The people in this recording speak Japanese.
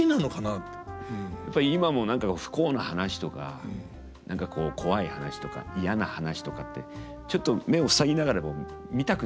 やっぱり今も何か不幸な話とか何かコワい話とか嫌な話とかってちょっと目を塞ぎながら見たくなりますもんね